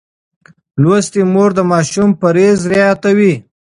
لوستې مور د ماشوم پرهېز رعایتوي.